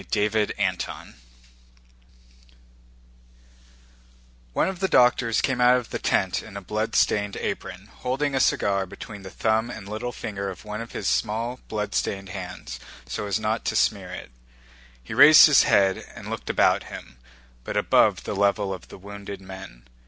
CHAPTER XXXVII One of the doctors came out of the tent in a bloodstained apron, holding a cigar between the thumb and little finger of one of his small bloodstained hands, so as not to smear it. He raised his head and looked about him, but above the level of the wounded men.